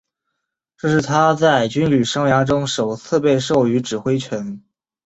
这是他在军旅生涯中首次被授予指挥权。